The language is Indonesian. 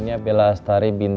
tapi untuk lebih baik